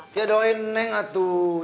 nggak doain neng atuh